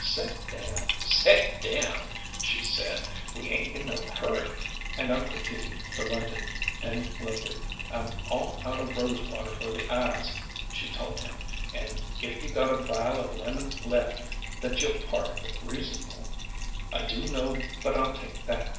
"Set down, set down," she said. "We ain't in no great hurry;" and Uncle Teaby relented, and lingered. "I'm all out o' rose water for the eyes," she told him, "an' if you've got a vial o' lemon left that you'll part with reasonable, I do' know but I'll take that.